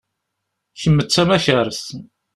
Kemm d tamakart.